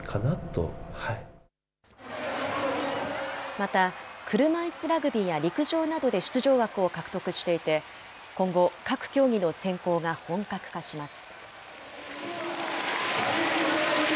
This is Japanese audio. また、車いすラグビーや陸上などで出場枠を獲得していて、今後、各競技の選考が本格化します。